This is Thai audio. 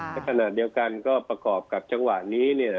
แม้ขณะเดียวกันก็ประกอบกับช่วงวานี้เนี่ย